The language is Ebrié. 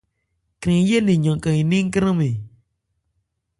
Krɛn yé nne, yankan 'n ɛ́n nkrânmɛn.